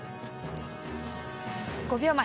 ５秒前。